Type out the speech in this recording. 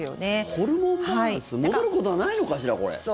ホルモンバランス戻ることはないのかしら、これ。